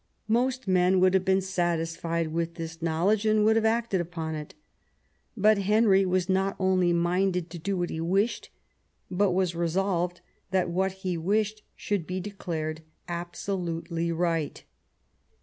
Most men would have been satisfied with this knowledge, and would have acted upon it. But Henry was not only minded to do what he wished, but was resolved that what he wished should be declared absolutely right.